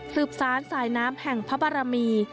คลืบซ้านสายน้ำแห่งพระบรมี